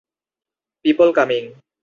People coming.